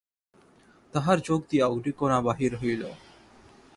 তাঁহার চোখ দিয়া অগ্নিকণা বাহির হইল।